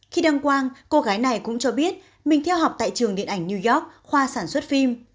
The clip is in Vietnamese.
khi đăng quang cô gái này cũng cho biết mình theo học tại trường điện ảnh new york khoa sản xuất phim